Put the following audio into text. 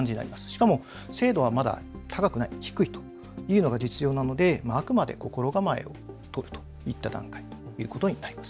しかも精度はまだ高くなく低いというのが実情なのであくまで心構えをとるといった段階ということになります。